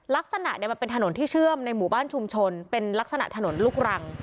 ลักษณะมันเป็นถนนที่เชื่อมในหมู่บ้านชุมชนเป็นลักษณะถนนลูกรัง